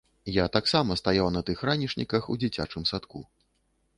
Я таксама стаяў на тых ранішніках у дзіцячым садку.